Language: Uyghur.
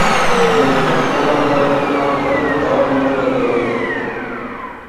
مىلتىق قۇلاقلارنى پاڭ قىلىپ داۋاملىق ئېتىلىۋاتاتتى.